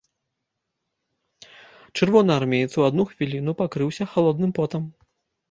Чырвонаармеец у адну хвіліну пакрыўся халодным потам.